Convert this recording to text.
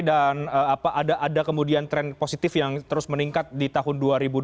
ada kemudian tren positif yang terus meningkat di tahun dua ribu dua puluh